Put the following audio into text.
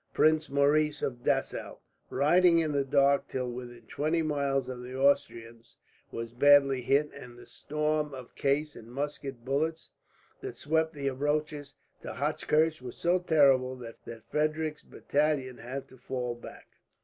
Prince Maurice of Dessau, riding in the dark till within twenty yards of the Austrians, was badly hit; and the storm of case and musket bullets that swept the approaches to Hochkirch was so terrible that Frederick's battalion had to fall back.